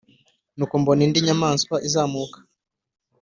Nuko mbona indi nyamaswa izamuka